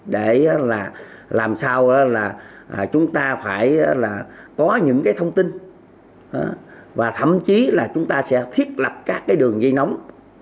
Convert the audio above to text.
để làm sao là chúng ta phải là có những cái thông tin và thậm chí là chúng ta sẽ thiết lập các cái đường dây nóng